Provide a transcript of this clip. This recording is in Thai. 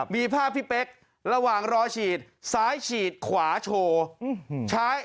มีภาพพี่เป๊กระหว่างรอฉีดซ้ายฉีดขวาโชว์